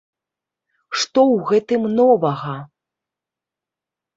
Што ў гэтым новага?